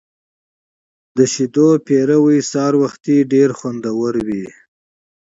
د شیدو قیماق سهار وختي ډیر خوندور وي.